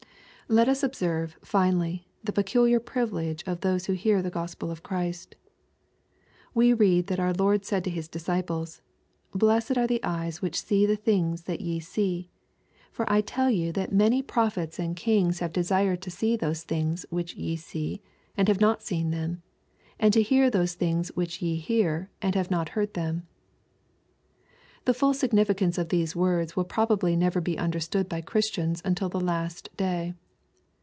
Let us gbserve, finally, the peculiar privileges of those who hear the Gyspel of Christ. We read that our Lord said to His disciples, " Blessed are the eyes which see the things that ye see. For I tell you that many prophets 868 EXPOsrroBT thoughts. and kings have desired to see those things which ye see^ and have not seen them, and to hear those things which je hear, and have not heard them." The full significance of these words will probably never be understood by Christians until the last day.